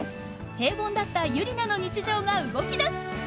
平凡だったユリナの日常が動きだす！